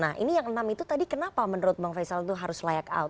nah ini yang enam itu tadi kenapa menurut bang faisal itu harus layak out